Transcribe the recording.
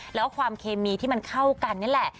แล้วความเคมีที่มันเข้ากันนี่แหละ